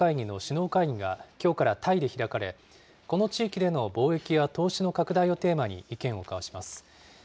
ＡＰＥＣ・アジア太平洋経済協力会議の首脳会議が、きょうからタイで開かれ、この地域での貿易や投資の拡大をテーマに意見を交わします。